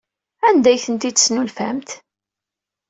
Anda ay ten-id-tesnulfamt?